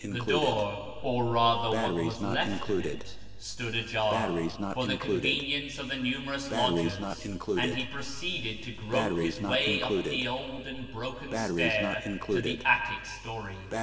The door, or rather what was left of it, stood ajar, for the convenience of the numerous lodgers ; and he proceeded to grope his way up the old and broken stair, to the attic story.